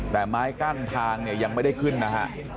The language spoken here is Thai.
แต่ไม้กั้นทางเนี่ยยังไม่ได้ขึ้นนะฮะ